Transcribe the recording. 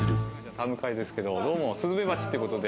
田迎ですけどどうもスズメバチっていうことで。